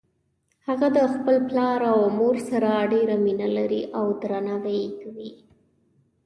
هغه د خپل پلار او مور سره ډیره مینه لری او درناوی یی کوي